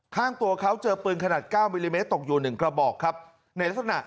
ข้างตัวเขาเจอปืนขนาด๙มิลลิเมตรตกอยู่๑กระบอกครับในลักษณะ